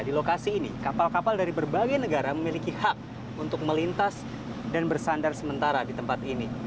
di lokasi ini kapal kapal dari berbagai negara memiliki hak untuk melintas dan bersandar sementara di tempat ini